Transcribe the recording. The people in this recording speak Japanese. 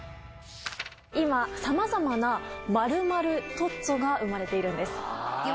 今さまざまな「○○トッツォ」が生まれているんです。